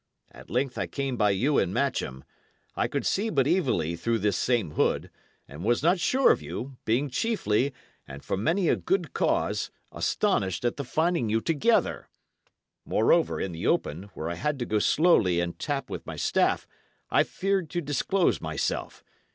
At length I came by you and Matcham. I could see but evilly through this same hood, and was not sure of you, being chiefly, and for many a good cause, astonished at the finding you together. Moreover, in the open, where I had to go slowly and tap with my staff, I feared to disclose myself.